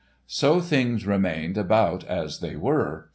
So things remained about as they were.